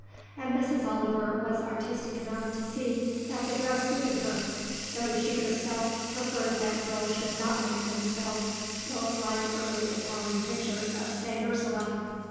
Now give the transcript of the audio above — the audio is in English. And Mrs. Oliver was artistic enough to see that the dress suited her, though she herself preferred that girls should not make themselves look like early Italian pictures of St. Ursula.